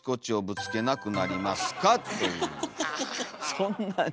そんなに？